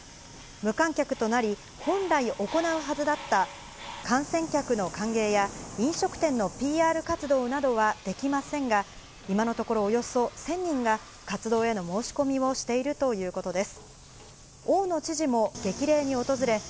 無観客となり、本来行うはずだった観戦客の歓迎や、飲食店のＰＲ活動などはできませんが、今のところ、およそ１０００人が、活動への申し込みをしているということです。